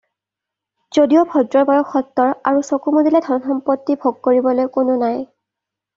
যদিও ভদ্ৰৰ বয়স সত্তৰ আৰু চকু মুদিলে ধন-সম্পত্তি ভোগ কৰিবলৈ কোনো নাই।